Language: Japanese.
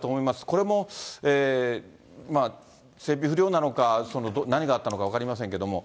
これも整備不良なのか、何があったのか分かりませんけども。